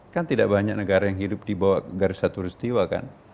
kan tidak banyak negara yang hidup di bawah garis satu peristiwa kan